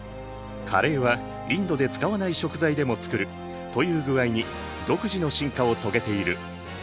カレーはインドで使わない食材でも作るという具合に独自の進化を遂げている。